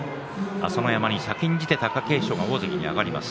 朝乃山に先んじて貴景勝が大関に上がります。